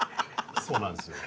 そうなんですよ。